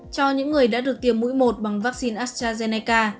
cho những người đã được tiêm mũi một bằng vaccine astrazeneca